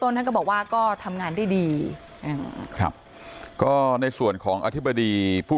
ท่านก็บอกว่าก็ทำงานได้ดีอ่าครับก็ในส่วนของอธิบดีผู้